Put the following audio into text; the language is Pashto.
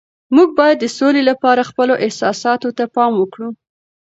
موږ باید د سولي لپاره خپلو احساساتو ته پام وکړو.